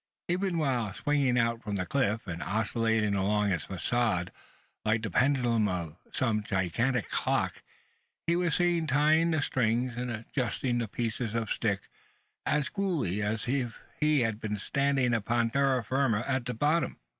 Even while swinging out from the cliff, and oscillating along its facade like the pendulum of some gigantic clock he was seen tying the strings and adjusting the pieces of stick, as coolly, as if he had been standing upon terra firma at the bottom!